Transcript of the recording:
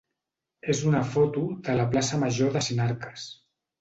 és una foto de la plaça major de Sinarques.